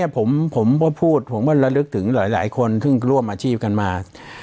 ผมพูดถึงหลายคนที่ร่วมอาชีพมา